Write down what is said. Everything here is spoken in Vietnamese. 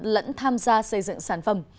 lẫn tham gia xây dựng sản phẩm